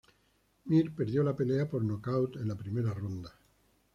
Mir perdió la pelea por nocaut en la primera ronda.